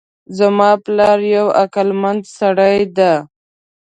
زما پلار یو عقلمند سړی ده